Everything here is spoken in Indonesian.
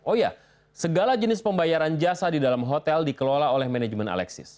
oh ya segala jenis pembayaran jasa di dalam hotel dikelola oleh manajemen alexis